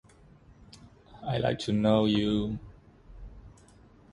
He was known for his meticulous attention to detail when rendering Medieval costumes.